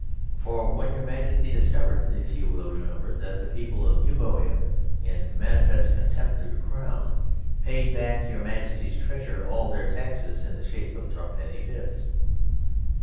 For when Your Majesty discovered (if you will remember) that the people of Euboea, in manifest contempt of your Crown, paid back into Your Majesty's treasury all their taxes in the shape of thruppenny bits...."